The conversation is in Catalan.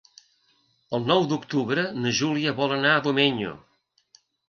El nou d'octubre na Júlia vol anar a Domenyo.